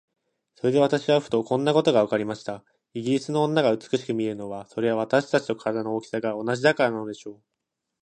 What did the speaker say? それで私はふと、こんなことがわかりました。イギリスの女が美しく見えるのは、それは私たちと身体の大きさが同じだからなのでしょう。